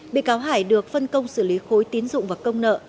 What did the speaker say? bị cáo hải được phân công xử lý khối tín dụng và công nợ